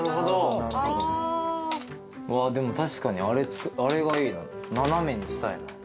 でも確かにあれがいいな斜めにしたいな。